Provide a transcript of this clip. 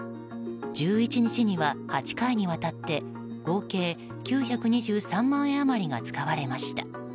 １１日には８回にわたって合計９２３万円余りが使われました。